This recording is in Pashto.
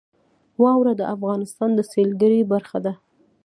واوره د افغانستان د سیلګرۍ برخه ده.